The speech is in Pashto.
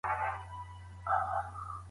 د لويي جرګې غړي څوک ټاکي؟